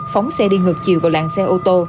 phóng xe đi ngược chiều vào làng xe ô tô